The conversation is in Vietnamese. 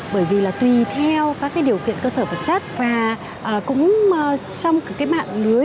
bởi vì là tùy theo các cái điều kiện cơ sở vật chất và cũng trong cái mạng lưới